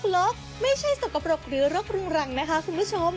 ลกไม่ใช่สกปรกหรือรกรุงรังนะคะคุณผู้ชม